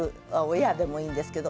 親でもいいんですけど。